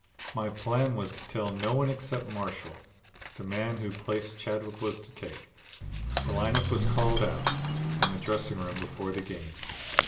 My plan was to tell no one except Marshall, the man whose place Chadwick was to take. The lineup was called out in the dressing room before the game.